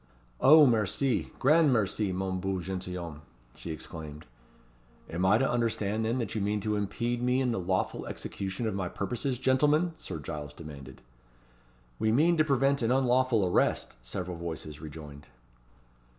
"Oh! merci! grand merci, mon beau gentilhomme!" she exclaimed. "Am I to understand then, that you mean to impede me in the lawful execution of my purposes, gentlemen?" Sir Giles demanded. "We mean to prevent an unlawful arrest," several voices rejoined.